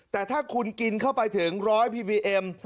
แต่ถ้าคุณกินเข้าไปถึงร้อยพีบีเอ็ม